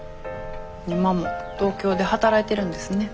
今も東京で働いてるんですね。